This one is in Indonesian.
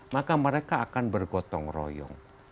maka mereka akan bergotong royong